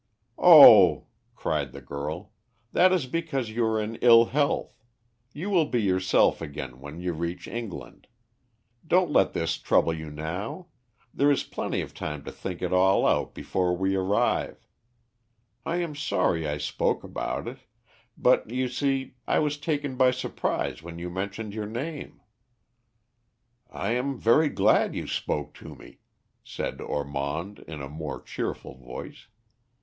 "Oh!" cried the girl, "that is because you are in ill health. You will be yourself again when you reach England. Don't let this trouble you now there is plenty of time to think it all out before we arrive. I am sorry I spoke about it; but, you see, I was taken by surprise when you mentioned your name." "I am very glad you spoke to me," said Ormond, in a more cheerful voice.